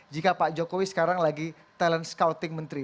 jika pak jokowi sekarang lagi talent scouting menteri